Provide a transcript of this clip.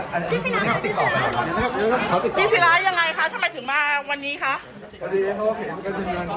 ศิล้ายังไงคะทำไมถึงมาวันนี้คะ